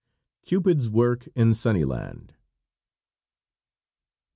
CUPID'S WORK IN SUNNYLAND.